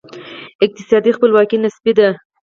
اقتصادي خپلواکي نسبي ده.